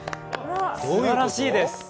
すばらしいです。